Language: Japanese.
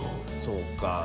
そうか。